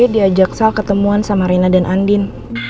sa gue diajak sal ketemuan sama reina dan andin